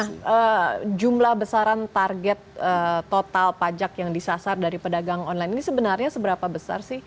nah jumlah besaran target total pajak yang disasar dari pedagang online ini sebenarnya seberapa besar sih